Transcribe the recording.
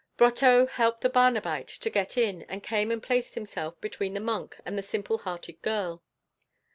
Brotteaux helped the Barnabite to get in and came and placed himself between the monk and the simple hearted girl.